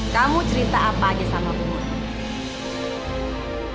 kamu cerita apa aja sama bu murni